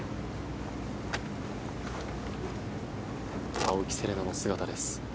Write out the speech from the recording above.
青木瀬令奈の姿です。